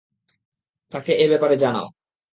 তাকে এ ব্যাপারে জানাও।